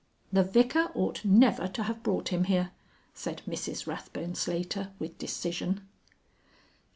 "The Vicar ought never to have brought him here," said Mrs Rathbone Slater with decision.